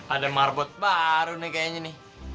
ada marbot baru nih kayaknya nih